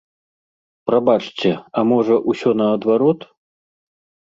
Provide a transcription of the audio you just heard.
Прабачце, а можа, усё наадварот?